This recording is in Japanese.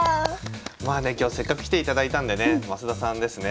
まあね今日せっかく来ていただいたんでね増田さんですね。